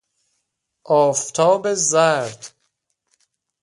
آفتاب زرد